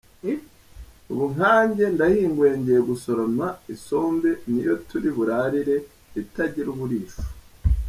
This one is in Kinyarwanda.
Ubu nkajye ndahinguye ngiye gusoroma isombe ni yo turi burarire itagira uburisho.